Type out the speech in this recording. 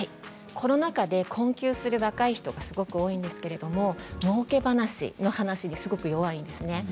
コロナ禍で困窮する若い人すごく多いんですけれどもうけ話の話にすごく弱いんですね。